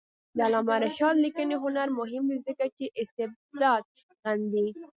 د علامه رشاد لیکنی هنر مهم دی ځکه چې استبداد غندي.